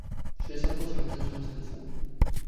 學生不強制穿制服